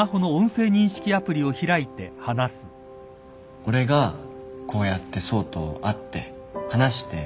俺がこうやって想と会って話して。